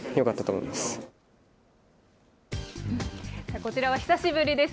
こちらは久しぶりです。